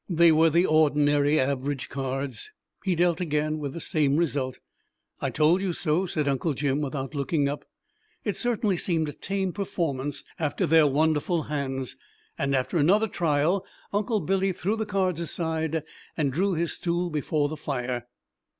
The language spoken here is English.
They were the ordinary average cards. He dealt again, with the same result. "I told you so," said Uncle Jim, without looking up. It certainly seemed a tame performance after their wonderful hands, and after another trial Uncle Billy threw the cards aside and drew his stool before the fire.